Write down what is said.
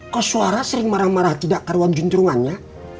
kok suara sering marah marah tidak karuan juncerungannya